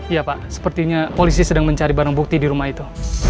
iya pak sepertinya polisi sedang mencari barang bukti di rumah itu